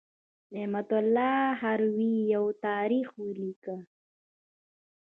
نعمت الله هروي یو تاریخ ولیکه.